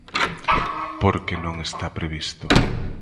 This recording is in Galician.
Porque non está previsto.